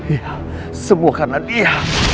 iya semua karena dia